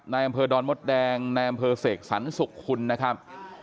ในอำเภอดอนมดแดงในอำเภอเสกสรรสุขคุณนะครับ